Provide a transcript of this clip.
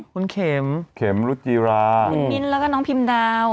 คุณเข็มเข็มรุจิราคุณมิ้นแล้วก็น้องพิมดาว